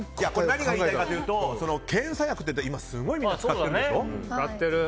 何が言いたいかというと検査薬って、今みんなすごい使っているでしょ。